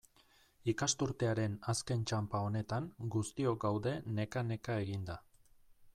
Ikasturtearen azken txanpa honetan, guztiok gaude neka-neka eginda.